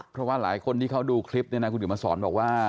เพราะว่าหลายคนที่เขาดูคลิปเนี่ยนะคุณเดี๋ยวมาสอนบอกว่า